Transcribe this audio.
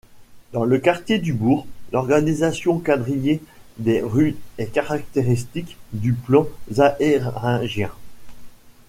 Dans le quartier du Bourg, l'organisation quadrillée des rues est caractéristique du plan zaehringien.